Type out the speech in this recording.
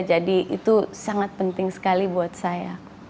jadi itu sangat penting sekali buat saya